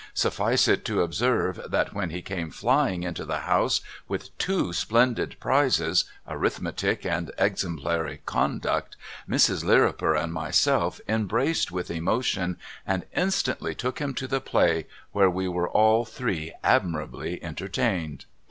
Suffice it to observe that when he came flying into the house with two splendid prizes (Arithmetic, and Exemplary Conduct), Mrs. Lirriper and myself embraced with emotion, and instantly took him to the Play, where we were all three admirably entertained.